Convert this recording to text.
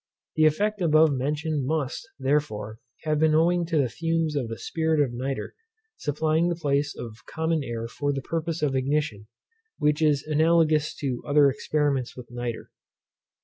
The effect above mentioned must, therefore, have been owing to the fumes of the spirit of nitre supplying the place of common air for the purpose of ignition, which is analogous to other experiments with nitre.